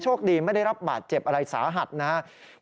คดีไม่ได้รับบาดเจ็บอะไรสาหัสนะครับ